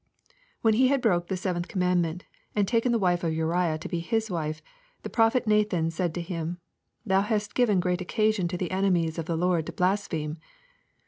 When he had broken the seventh command ment, and taken the wife of Uriah to be his wife, the prophet Nathan said to him, " Thou hast given great occasion to the enemies of the Lord to blaspheme."